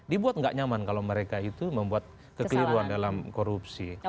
dibuat nggak nyaman kalau mereka itu membuat kekeliruan dalam korupsi